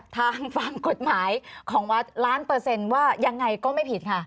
ทางฝั่งกฎหมายของวัดล้านเปอร์เซ็นต์ว่ายังไงก็ไม่ผิดค่ะ